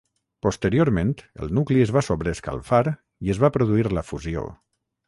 Posteriorment, el nucli es va sobreescalfar i es va produir la fusió.